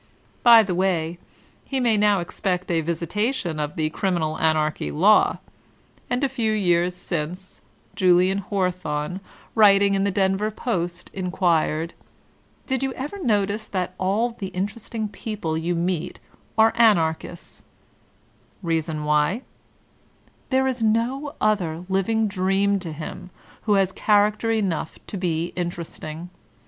"' By the way, he may now expect a visitation of the Criminal Anarchy law. And a few years since, Julian Hawthorne, writii^ in the Denver Post, inquired, ''Did you ever notice that all the interesting people you meet are Anarchists V* Rea son why : there is no other living dream to him who has character enough to be interesting.